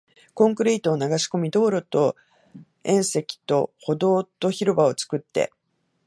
コンクリートを流し込み、道路と縁石と歩道と広場を作って